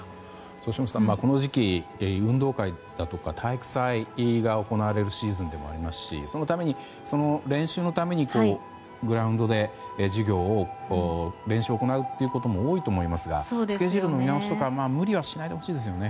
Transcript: そうしますと、この時期運動会や体育祭が行われるシーズンでもありますし練習のためにグラウンドで練習を行うことも多いと思いますがスケジュールの見直しなど無理はしないでほしいですね。